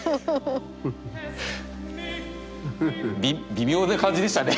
微妙な感じでしたね。